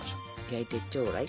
焼いてちょうだい。